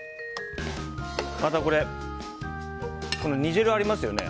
また、煮汁がありますよね。